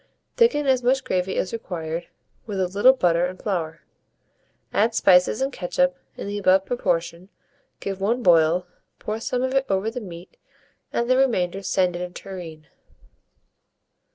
Thicken as much gravy as required, with a little butter and flour; add spices and ketchup in the above proportion, give one boil, pour some of it over the meat, and the remainder send in a tureen.